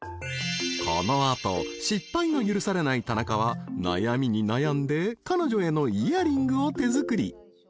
［この後失敗の許されない田中は悩みに悩んで彼女へのイヤリングを手作り］